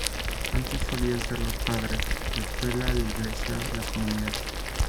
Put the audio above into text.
Antes solían ser los padres, la escuela, la iglesia, la comunidad.